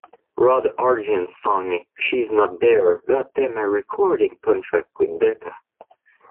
Rod Argent's song "She's Not There" got them a recording contract with Decca.